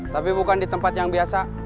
tapi bukan di tempat yang biasa